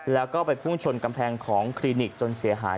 แล้วก็ไปพุ่งชนกำแพงของคลินิกจนเสียหาย